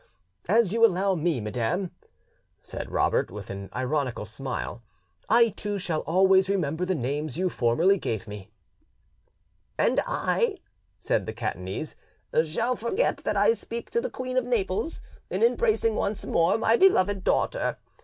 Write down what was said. "As you allow me, madam," said Robert, with an ironical smile, "I too shall always remember the names you formerly gave me." "And I," said the Catanese, "shall forget that I speak to the Queen of Naples, in embracing once more my beloved daughter.